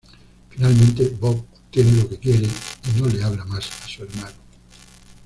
Finalmente, Bob obtiene lo que quiere, y no le habla más a su hermano.